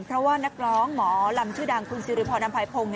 เพราะว่านักร้องหมอลำชื่อดังคุณสิริพรอำภัยพงศ์